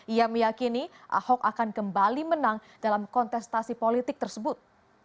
ia meyakini ahok akan kembali menang dalam kontestasi politik tersebut